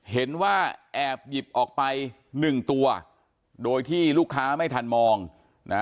เห็นว่าแอบหยิบออกไปหนึ่งตัวโดยที่ลูกค้าไม่ทันมองนะ